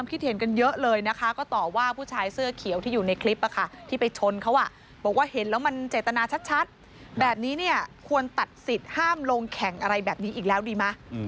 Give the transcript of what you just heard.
เขาบอกว่าเห็นแล้วมันเจตนาชัดแบบนี้ควรตัดสิทธิ์ห้ามลงแข่งอะไรแบบนี้อีกแล้วดีมั้ย